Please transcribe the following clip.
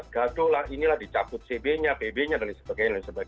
gatuh lah inilah dicaput cb nya pb nya dan sebagainya